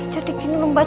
jadi gini mbak